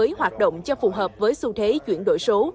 mới hoạt động cho phù hợp với xu thế chuyển đổi số